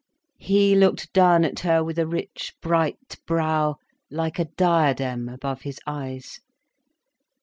He looked down at her with a rich bright brow like a diadem above his eyes.